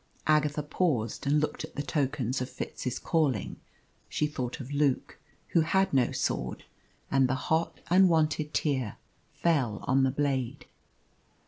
Agatha paused and looked at the tokens of Fitz's calling. She thought of Luke, who had no sword. And the hot unwonted tear fell on the blade.